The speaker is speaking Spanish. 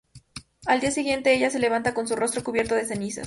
Al día siguiente, ella se levanta con su rostro cubierto de cenizas.